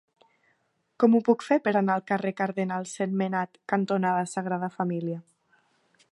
Com ho puc fer per anar al carrer Cardenal Sentmenat cantonada Sagrada Família?